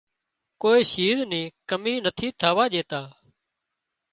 ڪوئي شيز نِي ڪمي نٿي ٿاوا ڄيتان